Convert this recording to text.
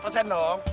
apa sih om